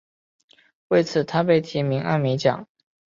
为此他被提名艾美奖。